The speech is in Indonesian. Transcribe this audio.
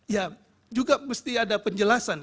ya juga mesti ada penjelasan